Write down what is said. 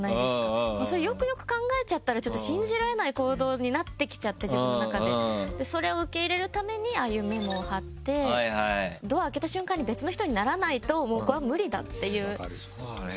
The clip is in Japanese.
それよくよく考えちゃったらちょっと信じられない行動になってきちゃって自分の中でそれを受け入れるためにああいうメモを張ってドアを開けた瞬間に別の人にならないとこれは無理だっていう気持ちで。